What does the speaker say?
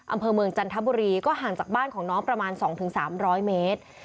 อำเภอเมืองจันทบุรีก็ห่างจากบ้านของน้องประมาณสองถึงสามร้อยเมตร